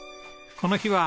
この日は。